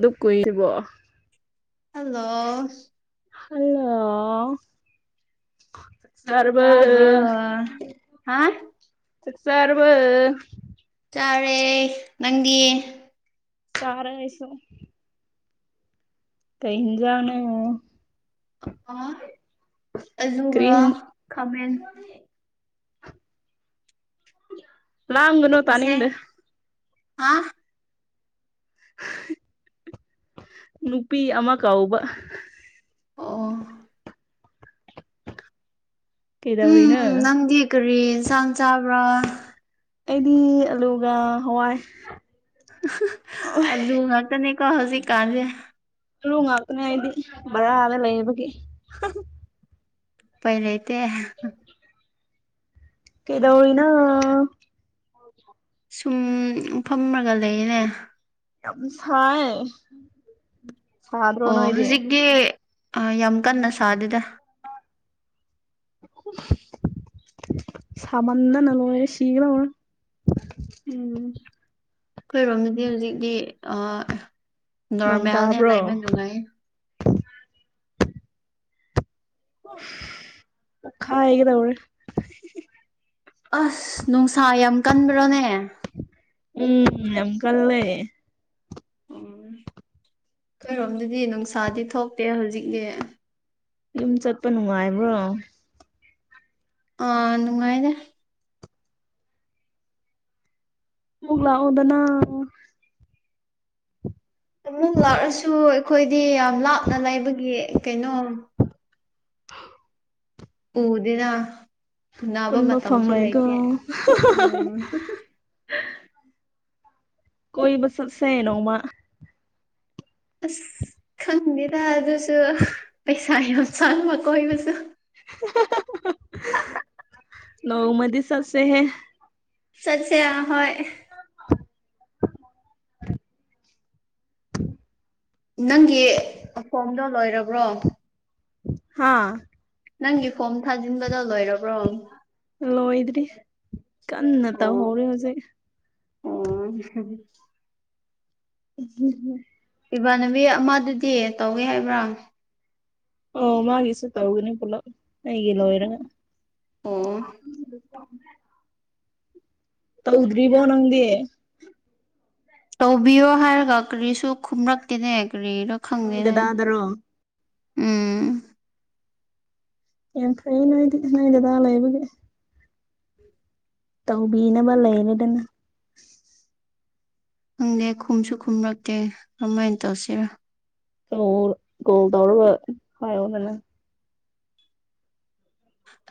ꯗꯨꯞ ꯀꯨꯢꯗꯕꯣ hello hello ꯆꯥꯔꯕꯣ ꯇꯥꯕ꯭ꯔꯣ ꯍꯥ ꯆꯥꯛ ꯆꯥꯔꯕꯣ ꯆꯥꯔꯦ ꯅꯪꯗꯤ ꯆꯔꯦ ꯑꯩꯁꯨ ꯀꯩꯩ ꯏꯟꯁꯥꯡꯅꯣ ꯑꯥ ꯀꯔꯤ ꯑꯗꯨꯒ ꯍꯤꯟ ꯈꯥꯃꯦꯟ ꯂꯥꯡꯒꯅꯣ ꯇꯅꯤꯡꯗ꯭ꯔꯦ ꯑꯥ ꯅꯨꯄꯤ ꯑꯃ ꯀꯧꯕ ꯑꯣ ꯎꯝ ꯀꯩꯗꯧꯔꯤꯅꯣ ꯅꯪꯗꯤ ꯀꯔꯤ ꯏꯟꯁꯥꯡ ꯆꯕ꯭ꯔꯥ ꯑꯩꯗꯤ ꯑꯂꯨꯒ ꯍꯋꯥꯏ ꯍꯥ ꯍꯥ ꯑꯂꯨ ꯉꯥꯛꯇꯅꯦꯀꯣ ꯍꯧꯖꯤꯛꯀꯥꯟꯁꯦ ꯑꯂꯨ ꯉꯥꯛꯇꯅꯤ ꯑꯩꯗꯤ ꯕꯥꯔꯥꯗ ꯂꯩꯕꯒꯤ ꯍꯤ ꯍꯤ ꯎꯄꯥꯏ ꯂꯩꯇꯦ ꯀꯩꯗꯧꯔꯤꯅꯣ ꯁꯨꯝ ꯐꯝꯔꯒ ꯂꯩꯌꯦꯅꯦ ꯌꯥꯝ ꯁꯥꯏꯌꯦ ꯑꯣ ꯍꯧꯖꯤꯛꯇꯤ ꯑꯥ ꯌꯥꯝ ꯀꯟꯅ ꯁꯥꯗꯦꯗ ꯁꯥꯃꯟꯗꯅ ꯂꯣꯏꯔꯦ ꯁꯤꯒꯗꯧꯔꯦ ꯎꯝ ꯑꯩꯈꯣꯏꯔꯣꯝꯗꯗꯤ ꯍꯧꯖꯤꯛꯇꯤ ꯑꯥ ꯅꯣꯡ ꯅꯣꯔꯃꯦꯜꯅꯦ ꯇꯥꯕ꯭ꯔꯣ ꯂꯩꯕ ꯅꯨꯡꯉꯥꯏꯌꯦ ꯄꯣꯈꯥꯏꯒꯗꯧꯔꯦ ꯑꯁ ꯅꯨꯡꯁꯥ ꯌꯥꯝ ꯀꯟꯕ꯭ꯔꯣꯅꯦ ꯎꯝ ꯌꯥꯝ ꯀꯜꯂꯦ ꯎꯝ ꯑꯩꯈꯣꯏꯔꯣꯝꯗꯗꯤ ꯅꯨꯡꯁꯥꯗꯤ ꯊꯣꯛꯇꯦ ꯍꯧꯖꯤꯛꯇꯤ ꯌꯨꯝ ꯆꯠꯄ ꯅꯨꯡꯉꯥꯏꯕ꯭ꯔꯣ ꯑꯥ ꯅꯨꯡꯉꯥꯏꯔꯦ ꯀꯣꯛ ꯂꯥꯛꯑꯣꯗꯅ ꯑꯃꯨꯛ ꯂꯥꯛꯔꯁꯨ ꯑꯩꯈꯣꯏꯗꯤ ꯌꯥꯝ ꯂꯥꯞꯅ ꯂꯩꯕꯒꯤ ꯀꯩꯅꯣ ꯎꯗꯦꯅ ꯎꯅꯥꯕ ꯄꯨꯟꯕ ꯃꯇꯝꯁꯨ ꯐꯪꯂꯣꯏꯀꯣ ꯂꯩꯇꯦ ꯎꯝ ꯍꯤ ꯍꯤ ꯍꯤ ꯀꯣꯏꯕ ꯆꯠꯁꯦ ꯅꯣꯡꯃ ꯑꯁ ꯈꯪꯗꯦꯗ ꯑꯗꯨꯁꯨ ꯄꯩꯁꯥ ꯌꯥꯝ ꯆꯪ ꯑꯍꯥꯟꯕ ꯀꯣꯏꯕꯁꯨ ꯍꯥ ꯍꯥ ꯍꯥ ꯅꯣꯡꯃꯗꯤ ꯆꯠꯆꯦꯍꯦ ꯆꯠꯁꯦ ꯍꯣꯏ ꯅꯪꯒꯤ ꯑꯣꯀꯣꯝꯗꯣ ꯂꯣꯏꯔꯕ꯭ꯔꯣ ꯍꯥꯥ ꯅꯪꯒꯤ ꯐꯣꯝ ꯊꯥꯖꯤꯟꯕ ꯑꯗꯣ ꯂꯣꯏꯔꯕ꯭ꯔꯣ ꯑꯣ ꯂꯣꯏꯗ꯭ꯔꯤ ꯀꯟꯅ ꯑꯣ ꯇꯧꯍꯧꯔꯦ ꯍꯧꯖꯤꯛ ꯍꯨꯡ ꯍꯨꯡ ꯎ [inaudible] ꯏꯃꯥꯟꯅꯕꯤ ꯑꯃꯗꯨꯗꯤ ꯇꯧꯌꯦ ꯍꯥꯏꯕ꯭ꯔ ꯑꯧ ꯃꯥꯒꯤꯁꯨ ꯇꯧꯒꯅꯤ ꯄꯨꯂꯞ ꯑꯩꯒꯤ ꯂꯣꯏꯔꯒ [inaudible] ꯑꯣ ꯇꯧꯗ꯭ꯔꯤꯕꯣ ꯅꯪꯗꯤ ꯇꯧꯕꯤꯌꯣ ꯍꯥꯏꯔꯒ ꯀ꯭ꯔꯤꯁꯨ ꯈꯨꯝꯔꯛꯇꯦꯅꯦ ꯀ꯭ꯔꯤꯔ ꯅꯣꯏ ꯈꯪꯗꯦꯅꯦ ꯗꯗꯥꯗꯔꯣ ꯎꯝ ꯌꯥꯝ ꯐꯩꯌꯦ ꯅꯣꯏꯗꯤ ꯅꯣꯏ ꯗꯥꯗꯥ ꯂꯩꯕꯒꯤ ꯇꯧꯕꯤꯅꯕ ꯂꯩꯔꯦꯗꯅ ꯈꯪꯗꯦ ꯈꯨꯝꯁꯨ ꯈꯨꯝꯔꯛꯇꯦ ꯀꯃꯥꯏꯟ ꯇꯧꯁꯤꯔ ꯀꯣꯜ ꯀꯣꯜ ꯇꯧꯔꯒ ꯍꯥꯏꯌꯣꯗꯅ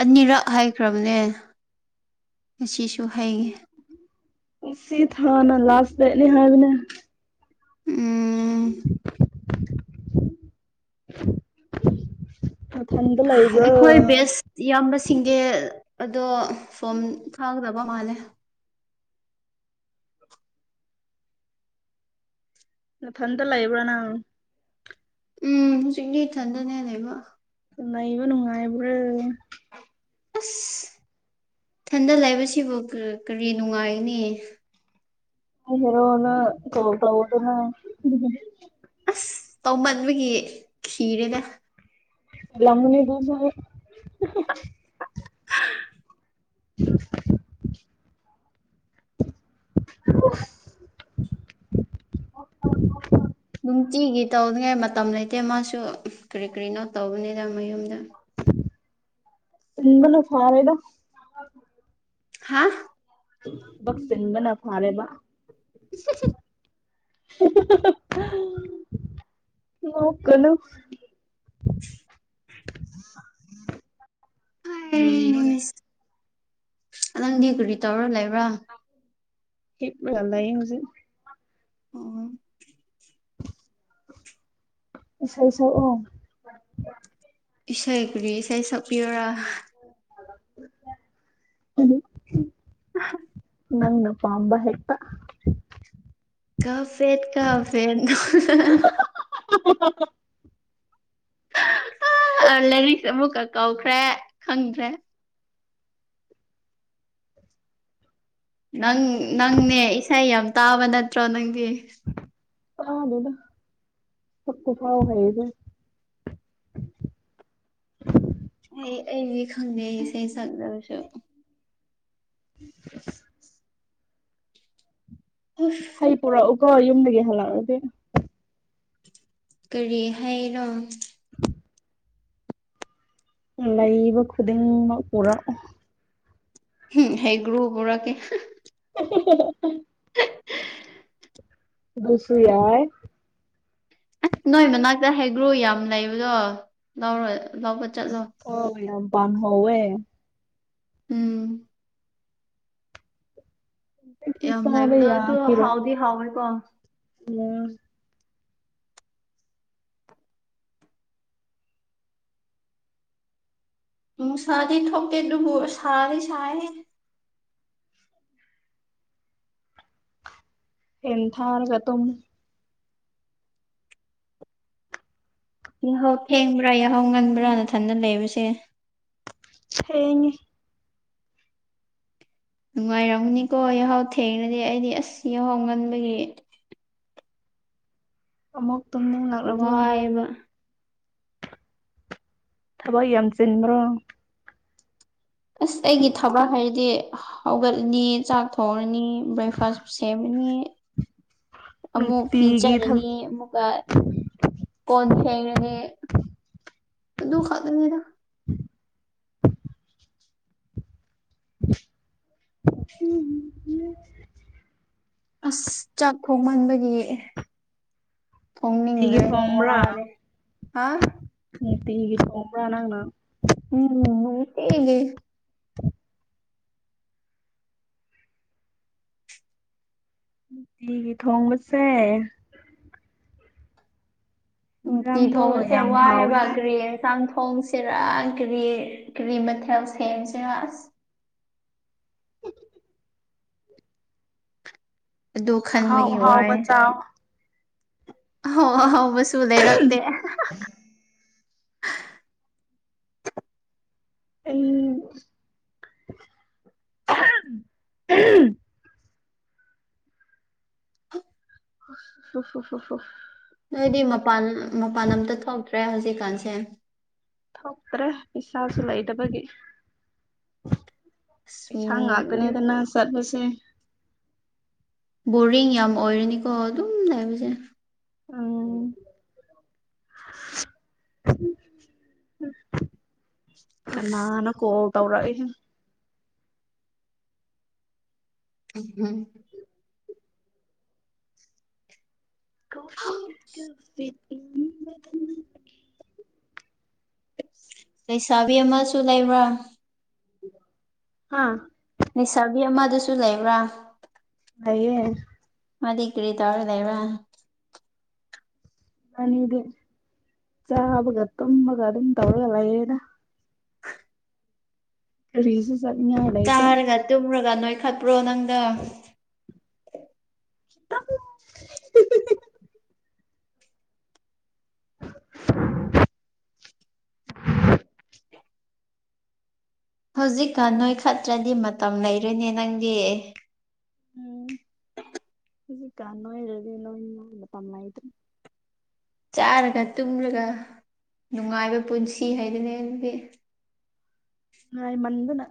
ꯑꯅꯤꯔꯛ ꯍꯥꯏꯈ꯭ꯔꯕꯅꯦ ꯉꯁꯤꯁꯨ ꯍꯥꯏꯌꯦ ꯁꯤ ꯊꯥꯅ ꯂꯥꯁ ꯗꯦꯠꯅꯤ ꯍꯥꯏꯕꯅꯦ ꯎꯝ ꯅꯊꯟꯗ ꯂꯩꯕ꯭ꯔꯣ ꯑꯩꯈꯣꯏ ꯕꯦꯁ ꯏꯌꯥꯝꯕ ꯁꯤꯡꯗꯤ ꯑꯗꯣ ꯐꯣꯝ ꯊꯥꯒꯗ ꯕꯃꯥꯜꯂꯦ ꯅꯊꯟꯗ ꯂꯩꯕ꯭ꯔꯥ ꯅꯪ ꯎꯝ ꯍꯧꯖꯤꯛꯇꯤ ꯏꯊꯟꯗꯅꯦ ꯂꯩꯕ ꯂꯩꯕ ꯅꯨꯡꯉꯥꯏꯕ꯭ꯔꯥ ꯑꯁ ꯏꯊꯟꯗ ꯂꯩꯕꯁꯤꯕꯨ ꯀ ꯀꯔꯤ ꯅꯨꯡꯉꯥꯏꯒꯅꯤ ꯅꯣꯏ ꯍꯦꯔꯣꯅ ꯀꯣꯜ ꯇꯧꯗꯅ [unintelligible] ꯑꯁ ꯇꯧꯃꯟꯕꯒꯤ ꯈꯤꯔꯦꯅꯦ [unintelligible] [unintelligible] [unintelligible] ꯅꯨꯡꯇꯤꯒꯤ ꯇꯧꯅꯤꯉꯥꯏ ꯃꯇꯝ ꯂꯩꯇꯦ ꯃꯥꯁꯨ ꯀꯔꯤ ꯀꯔꯤꯅꯣ ꯇꯧꯕꯅꯤꯗ ꯃꯌꯨꯝꯗ ꯆꯤꯟꯕꯅ ꯐꯔꯦꯗ ꯍꯥꯥ ꯊꯕꯛ ꯆꯤꯟꯕꯅ ꯐꯥꯔꯦꯕ [unintelligible] [unintelligible] ꯅꯣꯛꯀꯅꯨ ꯀꯔꯤꯅꯣꯅꯦ ꯍꯩꯁ ꯅꯪꯗꯤ ꯀꯔꯤ ꯇꯧꯔ ꯂꯩꯕ꯭ꯔꯥ ꯍꯤꯞꯔꯒ ꯂꯩ ꯍꯧꯖꯤꯛ ꯎꯝ ꯏꯁꯩ ꯁꯛꯑꯣ ꯏꯁꯩ ꯀꯔꯤ ꯏꯁꯩ ꯁꯛꯄꯤꯌꯨꯔ [unintelligible] [unintelligible] ꯅꯪꯅ ꯄꯥꯝꯕ ꯍꯦꯛꯇ ꯀꯐꯦꯠ ꯀꯐꯦꯠ [unintelligible] [unintelligible] ꯑ ꯂꯦꯔꯤꯛꯁꯦ ꯑꯃꯨꯛꯀ ꯀꯧꯈ꯭ꯔꯦ ꯈꯪꯗ꯭ꯔꯦ ꯅꯪ ꯅꯪꯅꯦ ꯏꯁꯩ ꯌꯥꯝ ꯇꯥꯕ ꯅꯠꯇ꯭ꯔꯣ ꯅꯪꯗꯤ ꯇꯥꯗꯦꯗ ꯁꯛꯄ ꯐꯥꯎ ꯍꯩꯗꯦ [inaudible] ꯑꯩ ꯑꯩꯗꯤ ꯈꯪꯗꯦ ꯑꯩ ꯏꯁꯩ ꯁꯛꯂꯁꯨ [unintelligible] ꯑꯁ ꯍꯩ ꯄꯨꯔꯛꯎꯀꯣ ꯌꯨꯝꯗꯒꯤ ꯍꯜꯂꯛꯑꯗꯤ ꯀꯔꯤ ꯍꯩꯔꯣ ꯂꯩꯕ ꯈꯨꯗꯤꯡꯃꯛ ꯄꯨꯔꯛꯑꯣ [unintelligible] ꯍꯩꯒ꯭ꯔꯨ ꯄꯨꯔꯛꯀꯦ [unintelligible] ꯑꯗꯨꯁꯨꯨ ꯌꯥꯏ ꯑꯁ ꯅꯣꯏ ꯃꯅꯥꯛꯇ ꯍꯩꯒ꯭ꯔꯨ ꯌꯥꯝ ꯂꯩꯕꯗꯣ ꯂꯧꯔꯣ ꯂꯧꯕ ꯆꯠꯂꯣ ꯑꯣ ꯌꯥꯝ ꯄꯥꯟꯍꯧꯋꯦ ꯎꯝ ꯍꯦꯛꯇ ꯌꯥꯝ ꯆꯥꯕ ꯂꯩꯕꯗꯣ ꯑꯗꯣ ꯌꯥꯈꯤꯔꯣꯏꯗ ꯍꯥꯎꯗꯤ ꯍꯥꯎꯋꯦꯀꯣ [unintelligible] ꯅꯨꯡꯁꯥꯗꯤ ꯊꯣꯛꯇꯦ ꯑꯗꯨꯕꯨ ꯁꯥꯗꯤ ꯁꯥꯏꯍꯦ ꯐꯦꯟ ꯊꯥꯔꯒ ꯇꯨꯝꯃꯨ ꯌꯥꯍꯧ ꯊꯦꯡꯕ꯭ꯔ ꯌꯥꯍꯧ ꯉꯟꯕ꯭ꯔ ꯅꯊꯟꯗ ꯂꯩꯕꯁꯦ ꯊꯦꯡꯉꯦ ꯅꯨꯡꯉꯥꯏꯔꯝꯒꯅꯤꯀꯣ ꯌꯥꯍꯧ ꯊꯦꯡꯔꯗꯤ ꯑꯩꯗꯤ ꯑꯁ ꯌꯥꯍꯧ ꯉꯟꯕꯒꯤ ꯑꯃꯨꯛ ꯇꯨꯝꯅꯤꯡꯉꯛꯂꯕꫭ ꯋꯥꯏꯌꯦꯕ ꯊꯕꯛ ꯌꯥꯝ ꯆꯤꯟꯕ꯭ꯔꯣ ꯑꯁ ꯑꯩꯒꯤ ꯊꯕꯛ ꯍꯥꯏꯗꯤ ꯍꯧꯒꯠꯂꯅꯤ ꯆꯥꯛ ꯊꯣꯡ ꯔꯅꯤ ꯕ꯭ꯔꯦꯛꯐꯥꯁ ꯁꯦꯝꯃꯅꯤ ꯑꯃꯨꯛ ꯅꯨꯡꯇꯤꯒꯤ ꯊꯕꯛ ꯄꯤꯖꯔꯅꯤ ꯑꯃꯨꯛꯀ ꯀꯣꯟ ꯐꯦꯡꯔꯅꯤ ꯑꯗꯨ ꯈꯛꯇꯅꯤꯗ [unintelligible] ꯑꯁ ꯆꯥꯛ ꯊꯣꯡꯃꯟꯕꯒꯤ ꯅꯨꯡꯇꯤꯒꯤ ꯊꯣꯡꯅꯤꯡꯗ꯭ꯔꯦ ꯊꯣꯡꯕ꯭ꯔꯥ ꯋꯥꯔꯦ ꯍꯥ ꯅꯨꯡꯇꯤꯒꯤ ꯊꯣꯡꯕ꯭ꯔ ꯅꯪꯅ ꯎꯝ ꯅꯨꯡꯇꯤꯒꯤ [inaudible] ꯅꯨꯡꯇꯤꯒꯤ ꯊꯣꯡꯕꯁꯦ ꯅꯨꯡꯇꯤ ꯏꯟꯖꯥꯡꯗꯣ ꯊꯣꯡꯕꯁꯦ ꯌꯥꯝ ꯍꯥꯎꯋꯤ ꯋꯥꯏꯌꯦꯕ ꯀꯔꯤ ꯍꯥꯏꯕꯅꯤ ꯌꯦꯟꯁꯥꯡ ꯊꯣꯡ ꯁꯤꯔ ꯀ꯭ꯔꯤ ꯀ꯭ꯔꯤ ꯃꯊꯦꯜ ꯁꯦꯝꯁꯤꯔ ꯑꯁ ꯑꯗꯨ ꯑꯍꯥꯎ ꯈꯟꯕꯒꯤ ꯋꯥꯏ ꯑꯍꯥꯎꯕ ꯆꯥꯎ ꯑꯍꯥꯎ ꯑꯍꯥꯎꯕꯁꯨ ꯂꯩꯔꯛꯇꯦ [unintelligible] ꯑꯩ [unintelligible] [unintelligible] ꯅꯣꯏꯗꯤ ꯃꯄꯥꯟ ꯃꯄꯥꯟ ꯑꯝꯇ ꯊꯣꯛꯇ꯭ꯔꯦ ꯍꯧꯖꯤꯛꯀꯥꯟꯁꯦ ꯊꯣꯛꯇ꯭ꯔꯦ ꯄꯩꯁꯥꯁꯨ ꯂꯩꯇꯕꯒꯤ ꯑꯁ ꯄꯩꯁꯥ ꯉꯥꯛꯇꯅꯤꯗꯅ ꯆꯠꯄꯁꯦ ꯕꯣꯔꯤꯡ ꯌꯥꯝ ꯑꯣꯏꯔꯅꯤꯀꯣ ꯑꯗꯨꯝ ꯂꯩꯕꯁꯦ ꯑꯪ [unintelligible] ꯀꯅꯥꯅꯣ ꯀꯣꯜ ꯇꯧꯔꯛꯏꯁꯤꯅ [unintelligible] ꯀꫭ [unintelligible] ꯂꯩꯁꯥꯕꯤ ꯑꯃꯁꯨ ꯂꯩꯕ꯭ꯔ ꯍꯥꯥ ꯂꯩꯁꯥꯕꯤ ꯑꯃꯗꯨꯁꯨ ꯂꯩꯕ꯭ꯔꯥ ꯂꯩꯌꯦ ꯃꯗꯤ ꯀꯔꯤ ꯇꯧꯔ ꯂꯩꯕ꯭ꯔ ꯑꯅꯤꯗꯤ ꯆꯥꯕꯒ ꯇꯨꯝꯕꯒ ꯑꯗꯨꯝ ꯇꯧꯔꯒ ꯂꯩꯔꯦꯗ ꯀꯔꯤꯁꯨ ꯆꯠꯅꯤꯡꯉꯥꯢ ꯂꯩꯇꯦ ꯌꯥꯝ ꯅꯣꯏꯈꯠꯄ꯭ꯔꯣ ꯅꯪꯗꯣ [inaudible] ꯍꯧꯖꯤꯛꯀꯥꯟ ꯅꯣꯏꯈꯠꯇ꯭ꯔꯗꯤ ꯃꯇꯝ ꯂꯩꯔꯣꯢꯅꯦ ꯅꯪꯗꯤ ꯎꯝ ꯍꯧꯖꯤꯀꯥꯟ ꯅꯣꯢꯔꯗꯤ ꯅꯣꯏ ꯃꯇꯝ ꯂꯩꯇ꯭ꯔꯦ ꯆꯥꯔꯒ ꯇꯨꯝꯃꯒ ꯅꯨꯡꯉꯥꯏꯕ ꯄꯨꯟꯁꯤ ꯍꯥꯏꯗꯨꯅꯦ ꯑꯗꯨꯗꯤ ꯅꯨꯡꯉꯥꯏꯃꯟꯗꯅ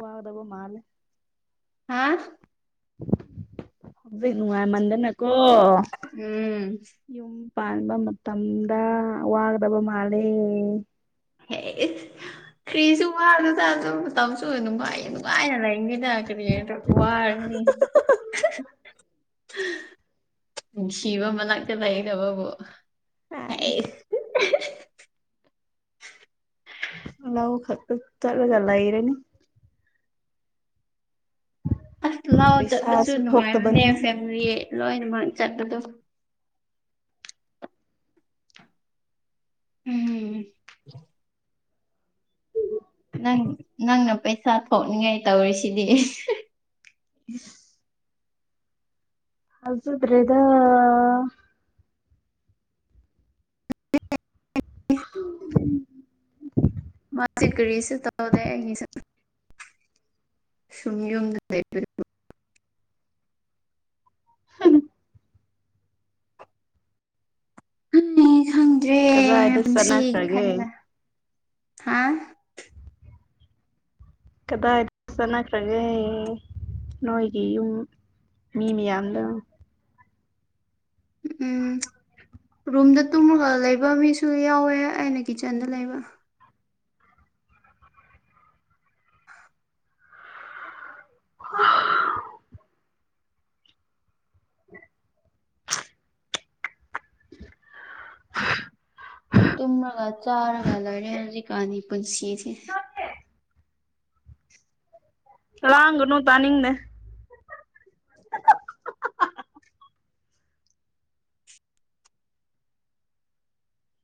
ꯋꯥꯒꯗꯕ ꯃꯥꯜꯂꯦ ꯍꯥꯥ ꯍꯧꯖꯤꯛ ꯅꯨꯡꯉꯥꯏꯃꯟꯗꯅꯀꯣ ꯎꯝ ꯌꯨꯝ ꯄꯥꯟꯕ ꯃꯇꯝꯗ ꯋꯥꯒꯗꯕ ꯃꯥꯜꯂꯦ ꯍꯦ ꯀꯔꯤꯁꯨ ꯋꯥꯒꯅꯨꯗ ꯑꯗꯨ ꯃꯇꯝ ꯅꯨꯡꯉꯥꯏꯅ ꯅꯨꯡꯉꯥꯏꯅ ꯂꯩꯒꯅꯤꯗ ꯀꯔꯤꯒꯤ ꯑꯗꯨꯛ ꯋꯥꯔꯨꯅꯤ [inaudible] ꯅꯨꯁꯤꯕ ꯃꯅꯥꯛꯇ ꯂꯩꯔꯒꯕꯨ ꯑꯥꯏꯁ [inaudible] ꯂꯧꯈꯛꯇ ꯆꯥꯠꯂꯒ ꯂꯩꯔꯅꯤ ꯑꯁ ꯂꯧ ꯆꯥꯠꯄꯁꯨ ꯄꯩꯁꯥꯁꯨ ꯅꯨꯡꯉꯥꯏꯕꯅꯦ ꯊꯣꯛꯇꯕꯅꯤꯅ ꯐꯦꯝꯂꯤ ꯂꯣꯏꯅꯃꯛ ꯆꯠꯄꯗꯣ ꯎꯝ ꯅꯪ ꯅꯪꯅ ꯄꯩꯁꯥ ꯊꯣꯛꯅꯤꯡꯉꯥꯏ ꯇꯧꯔꯤꯁꯤꯗꯤ ꯍꯧꯖꯗ꯭ꯔꯦꯗ [inaudible] ꯃꯥꯁꯦ ꯀꯔꯤꯁꯨ ꯇꯧꯗꯦ ꯑꯩꯒꯤꯁꯨ ꯁꯨꯝ ꯌꯨꯝꯗ ꯂꯩ ꯍꯨꯝ ꯈꯪꯗ꯭ꯔꯦ ꯈꯪꯗ꯭ꯔꯦ ꯀꯗꯥꯏꯗ ꯄꯨꯟꯁꯤꯒꯤ ꯆꯠꯅꯈ꯭ꯔꯒꯦ ꯈꯟꯒꯦ ꯍꯥꯥ ꯀꯗꯥꯏꯗ ꯆꯠꯅꯈ꯭ꯔꯒꯦ ꯅꯣꯏꯒꯤ ꯌꯨꯝ ꯃꯤ ꯃꯌꯥꯝꯗꯣ ꯎꯝ ꯔꯨꯝꯗ ꯇꯨꯝꯃꯒ ꯂꯩꯕ ꯃꯤꯁꯨ ꯌꯥꯎꯋꯦ ꯑꯩꯅ ꯀꯤꯆꯥꯟꯗ ꯂꯩꯕ ꯍꯥ ꯇꯨꯝꯃꯒ ꯆꯥꯔꯒ ꯂꯩꯔꯦ ꯍꯧꯖꯤꯛꯀꯥꯟꯒꯤ ꯄꯨꯟꯁꯤꯁꯦ ꯂꯥꯡꯒꯅꯨ ꯇꯅꯤꯡꯗꯦ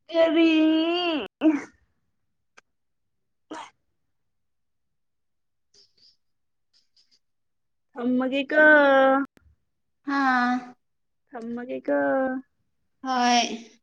ꯀꯔꯤ [inaudible] ꯊꯝꯃꯒꯦꯀꯣ ꯑꯥ ꯊꯝꯃꯒꯦꯀꯣ ꯍꯣꯏ